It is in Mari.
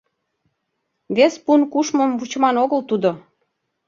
— Вес пун кушмым вучыман огыл тудо!